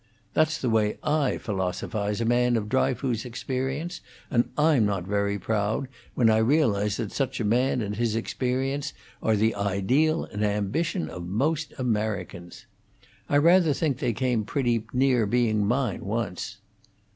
That's the way I philosophize a man of Dryfoos's experience, and I am not very proud when I realize that such a man and his experience are the ideal and ambition of most Americans. I rather think they came pretty near being mine, once."